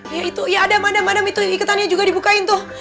ya itu ya adam adam adam itu iketannya juga dibukain tuh